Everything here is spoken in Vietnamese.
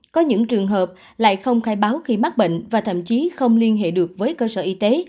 có những trường hợp lại không khai báo khi mắc bệnh và thậm chí không liên hệ được với cơ sở y tế